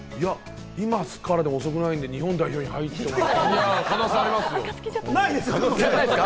今からでも遅くないんで、日本代表に入れたら。